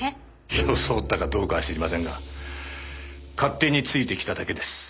装ったかどうかは知りませんが勝手についてきただけです。